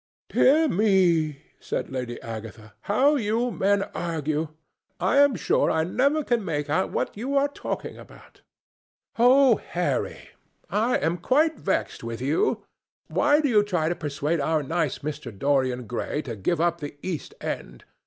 "Dear me!" said Lady Agatha, "how you men argue! I am sure I never can make out what you are talking about. Oh! Harry, I am quite vexed with you. Why do you try to persuade our nice Mr. Dorian Gray to give up the East End?